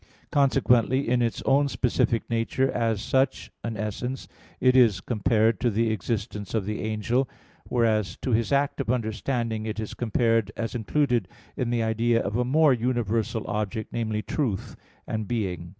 Consequently in its own specific nature as such an essence, it is compared to the existence of the angel, whereas to his act of understanding it is compared as included in the idea of a more universal object, namely, truth and being.